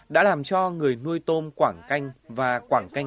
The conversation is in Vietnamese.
đã làm cho người nuôi tôm quảng canh và quảng canh